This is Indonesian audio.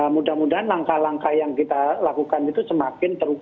mudah mudahan langkah langkah yang kita lakukan itu semakin terbuka